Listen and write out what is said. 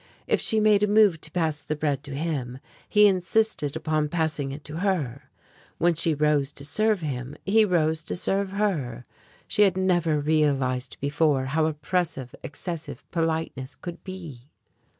If she made a move to pass the bread to him he insisted upon passing it to her. When she rose to serve him, he rose to serve her. She had never realized before how oppressive excessive politeness could be.